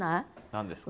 何ですか？